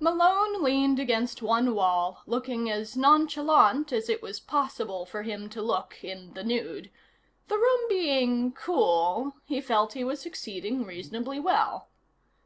Malone leaned against one wall, looking as nonchalant as it was possible for him to look in the nude. The room being cool, he felt he was succeeding reasonably well.